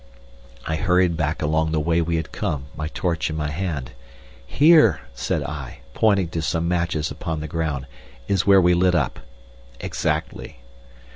I hurried back along the way we had come, my torch in my hand. "Here," said I, pointing to some matches upon the ground, "is where we lit up." "Exactly."